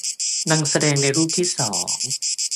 ดังแสดงในรูปที่สอง